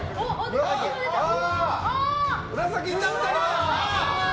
紫になった！